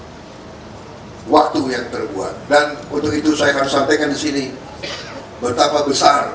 hai waktu yang terbuat dan untuk itu saya harus sampaikan disini betapa besar